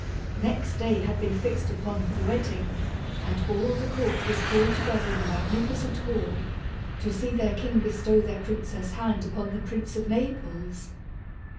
Next day had been fixed upon for the wedding, and all the court was called together in a magnificent hall, to see their king bestow their princess' hand upon the Prince of Naples.